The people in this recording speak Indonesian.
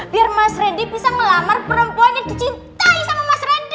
biar mas randy bisa melamar perempuan yang dicintai sama mas randy